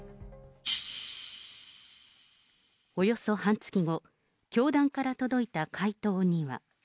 およそ半月後、教団から届いた回答には。